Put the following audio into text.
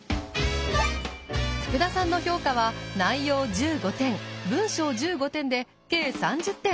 福田さんの評価は内容１５点文章１５点で計３０点。